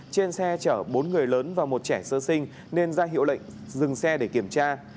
trên xe chở bốn người lớn và một trẻ sơ sinh nên ra hiệu lệnh dừng xe để kiểm tra